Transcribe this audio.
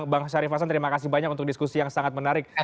bang syarif hasan terima kasih banyak untuk diskusi yang sangat menarik